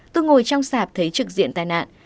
tôi ngồi trong sạp thấy trực diện tai nạn